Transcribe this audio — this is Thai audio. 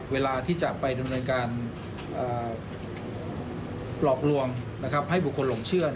เวลาที่จะไปดำเนินการหลอกลวงให้บุคคลหลงเชื่อ